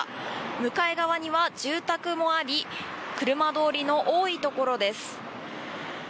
向かい側には住宅もあり車通りの多いところです。